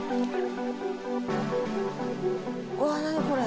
うわぁ何これ？